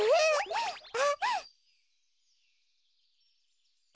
あっ。